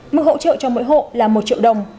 mức hỗ trợ cho mỗi hộ là một triệu đồng